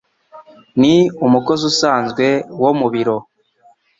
Ni umukozi usanzwe wo mu biro.